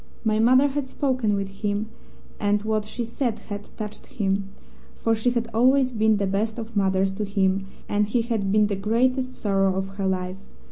My mother had spoken with him, and what she said had touched him, for she had always been the best of mothers to him and he had been the great sorrow of her life.